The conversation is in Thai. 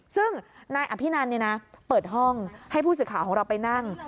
ซึ่งนายอภินันเปิดห้องให้ผู้สื่อข่าวของเราไปนั่ง